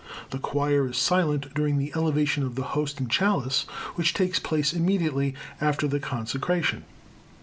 The choir is silent during the elevation of the Host and chalice, which takes place immediately after the consecration.